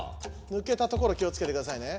ぬけたところ気をつけてくださいね。